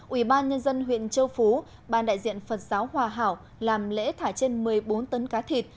ủy ban nhân dân huyện châu phú ban đại diện phật giáo hòa hảo làm lễ thả trên một mươi bốn tấn cá thịt